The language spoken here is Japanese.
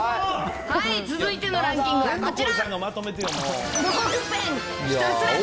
続いてのランキングはこちら。